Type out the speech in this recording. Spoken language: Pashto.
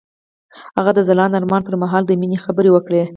هغه د ځلانده آرمان پر مهال د مینې خبرې وکړې.